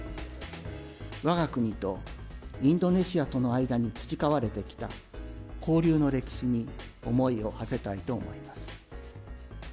我が国とインドネシアとの間に培われてきた交流の歴史に思いをはせたいと思います。